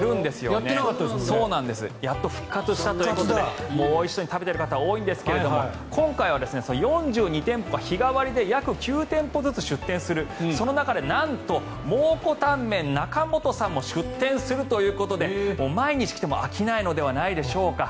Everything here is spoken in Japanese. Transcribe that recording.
やっと復活したということでおいしそうに食べている方多いんですけれども今回は４２店舗が日替わりで約９店舗ずつ出店するその中でなんと蒙古タンメン中本さんも出店するということで毎日来ても飽きないのではないでしょうか。